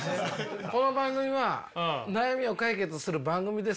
この番組は悩みを解決する番組ですから。